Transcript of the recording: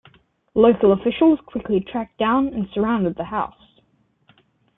Local officials quickly tracked down and surrounded the house.